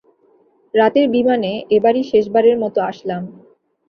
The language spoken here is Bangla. রাতের বিমানে এবারই শেষবারের মতো আসলাম।